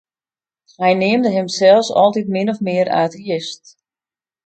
Hy neamde himsels altyd min of mear ateïst.